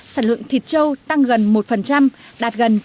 sản lượng thịt trâu tăng gần một đạt gần chín mươi tám chín